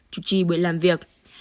chủ trì bữa làm việc